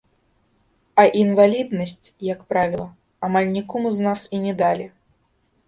А інваліднасць, як правіла, амаль нікому з нас і не далі.